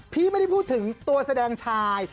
ไม่ได้พูดถึงตัวแสดงชาย